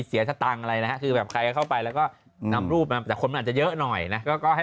เพิ่งเริ่มเป็นจุดอ่ะ